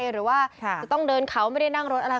หรือว่าจะต้องเดินเขาไม่ได้นั่งรถอะไร